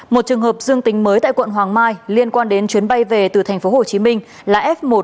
một trường hợp dương tính mới tại quận hoàng mai liên quan đến chuyến bay về từ tp hcm là f một